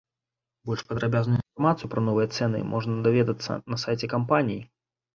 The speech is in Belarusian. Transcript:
Больш падрабязную інфармацыю пра новыя цэны можна даведацца на сайце кампаніі.